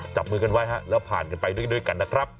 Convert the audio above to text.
จับมือกันไว้แล้วผ่านกันไปด้วยกันนะครับ